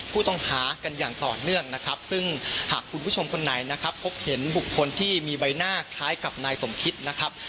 ภาคคุณผู้ชมคนไหนนะครับพบเห็นบุคคลที่มีใบหน้าคล้ายกับนายสมคิตนะครับ